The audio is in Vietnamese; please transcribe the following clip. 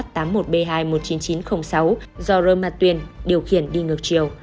t đã tông vào xe mô tô biển kiểm soát tám mươi một b hai một mươi chín nghìn chín trăm linh sáu do roma t điều khiển đi ngược chiều